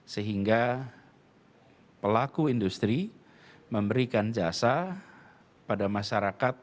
sehingga pelaku industri memberikan jasa pada masyarakat